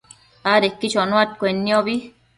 adequi chonuaccuenniobi